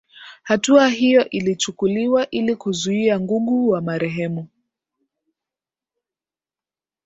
Hatua hiyo ilichukuliwa ili kuzuia ngugu wa marehemu